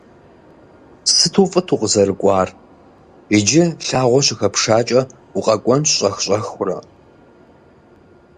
Сыту фӏыт укъызэрыкӏуар. Иджы лъагъуэ щыхэпшыжакӏэ, укъэкӏуэнщ щӏэх-щӏэхыурэ.